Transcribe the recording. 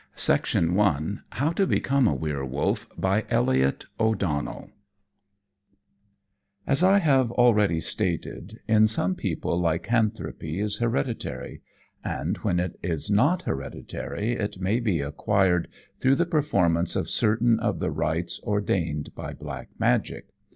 CHAPTER IV HOW TO BECOME A WERWOLF As I have already stated, in some people lycanthropy is hereditary; and when it is not hereditary it may be acquired through the performance of certain of the rites ordained by Black Magic.